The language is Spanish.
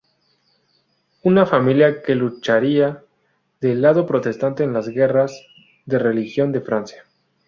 Una familia que lucharía del lado protestante en las Guerras de religión de Francia.